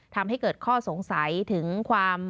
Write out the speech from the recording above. ทำให้เกิดข้อสงสัยถึงความ